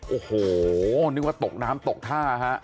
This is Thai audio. โอ้โหนึกว่าตกน้ำตกท่าฮะ